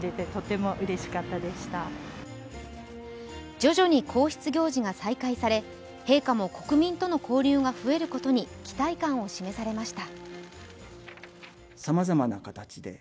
徐々に皇室行事が再開され、陛下も国民との交流が増えることに期待感を示されました。